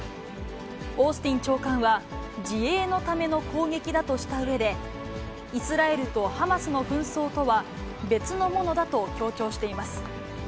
オースティン長官は自衛のための攻撃だとしたうえで、イスラエルとハマスの紛争とは別のものだと強調しています。